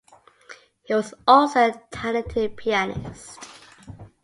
He was also a talented pianist.